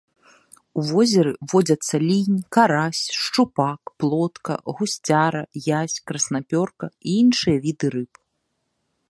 У возеры водзяцца лінь, карась, шчупак, плотка, гусцяра, язь, краснапёрка і іншыя віды рыб.